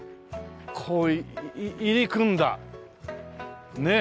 こう入り組んだねえ。